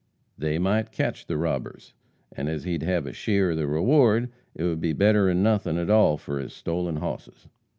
"They might catch the robbers, an' as he'd hev a sheer ov the reward, it would be better'n nothin' at all fur his stolin hosses."